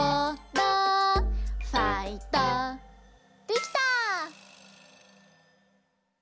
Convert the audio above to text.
できた！